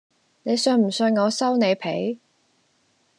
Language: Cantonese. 你信唔信我收你皮